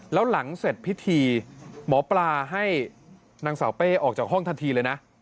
แล้วหลังเสร็จพิธีหมอปลาให้นางสาวเป้ออกจากห้องทันทีเลยนะ